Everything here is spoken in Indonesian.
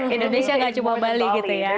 indonesia gak cuma bali gitu ya